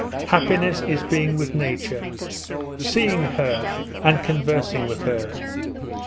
Happiness is being with nature, seeing her, and conversing with her.